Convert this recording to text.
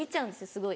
すごい。